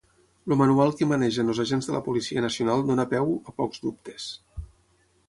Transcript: El manual que manegen els agents de la Policia Nacional dóna peu a pocs dubtes.